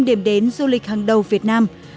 năm điểm đến du lịch hàng đầu việt nam